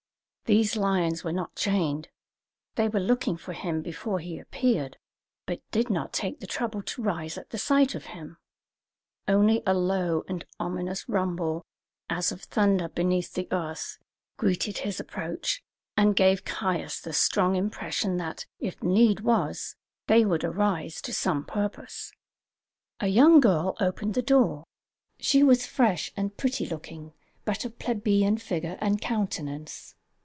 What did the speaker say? These lions were not chained; they were looking for him before he appeared, but did not take the trouble to rise at the sight of him; only a low and ominous rumble, as of thunder beneath the earth, greeted his approach, and gave Caius the strong impression that, if need was, they would arise to some purpose. A young girl opened the door. She was fresh and pretty looking, but of plebeian figure and countenance.